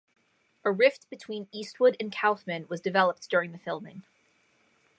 A rift between Eastwood and Kaufman developed during the filming.